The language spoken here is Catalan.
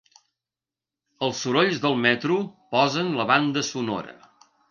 Els sorolls del metro posen la banda sonora.